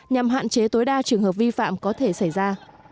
nhằm hạn chế tối đa trường hợp vi phạm có thể xảy ra